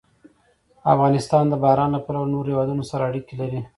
افغانستان د باران له پلوه له نورو هېوادونو سره اړیکې لري.